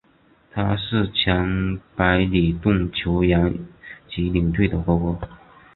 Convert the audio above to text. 他是前白礼顿球员及领队的哥哥。